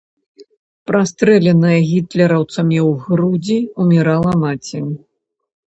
Прастрэленая гітлераўцамі ў грудзі, умірала маці.